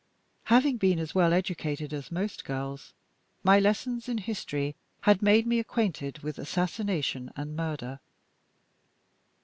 Having been as well educated as most girls, my lessons in history had made me acquainted with assassination and murder.